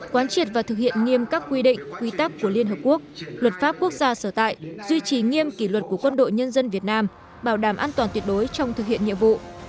quán triệt và thực hiện nghiêm các quy định quy tắc của liên hợp quốc luật pháp quốc gia sở tại duy trì nghiêm kỷ luật của quân đội nhân dân việt nam bảo đảm an toàn tuyệt đối trong thực hiện nhiệm vụ